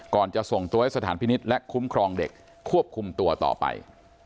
จะส่งตัวให้สถานพินิษฐ์และคุ้มครองเด็กควบคุมตัวต่อไป